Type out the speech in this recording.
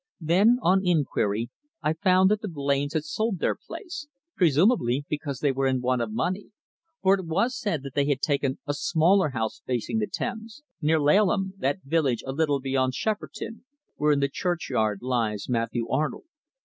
Then, on inquiry, I found that the Blains had sold their place, presumably because they were in want of money, for it was said that they had taken a smaller house facing the Thames, near Laleham, that village a little beyond Shepperton, where in the churchyard lies Matthew Arnold.